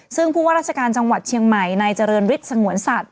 ซึ่งผู้ว่าราชการจังหวัดเชียงใหม่นายเจริญฤทธิสงวนสัตว